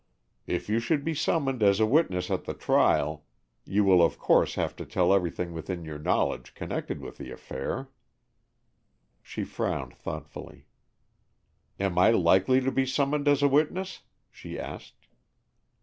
"If you should be summoned as a witness at the trial, you will of course have to tell everything within your knowledge connected with the affair." She frowned thoughtfully. "Am I likely to be summoned as a witness?" she asked.